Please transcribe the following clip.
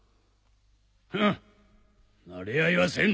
フンなれ合いはせん！